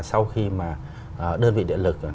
sau khi mà đơn vị điện lực